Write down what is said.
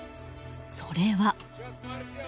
それは。